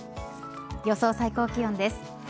予想最高気温です。